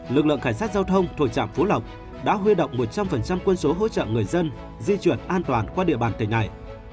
lực lượng cảnh sát giao thông thuộc trạm phú lộc đã huy động một trăm linh quân số hỗ trợ người dân di chuyển an toàn qua địa bàn tỉnh này